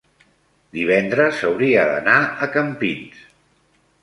divendres hauria d'anar a Campins.